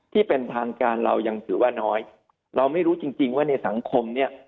ที่เป็นทางการเรายังถือว่าน้อยเราไม่รู้จริงจริงว่าในสังคมเนี่ย